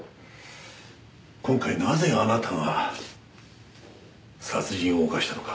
今回なぜあなたが殺人を犯したのか。